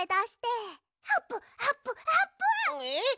えっ？